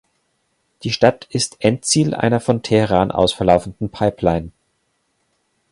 Die Stadt ist Endziel einer von Teheran aus verlaufenden Pipeline.